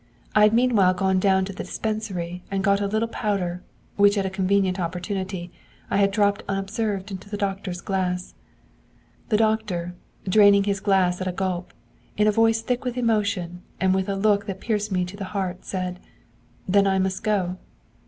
I had meanwhile gone down to the dispensary and got a little powder, which at a convenient opportunity I had dropped unobserved into the doctor's glass. 'The doctor, draining his glass at a gulp, in a voice thick with emotion, and with a look that pierced me to the heart, said: "Then I must go."